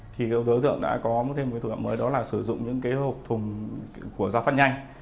thì đối tượng đã có thêm một cái thử nghiệm mới đó là sử dụng những cái hộp thùng của gia phát nhanh